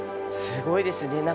すごいですね。